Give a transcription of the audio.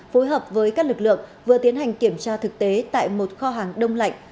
phối hợp với các lực lượng vừa tiến hành kiểm tra thực tế tại một kho hàng đông lạnh